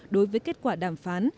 đối với kết quả đàm phán